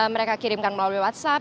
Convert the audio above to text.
mereka kirimkan melalui whatsapp